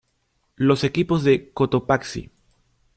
Los equipos de Cotopaxi.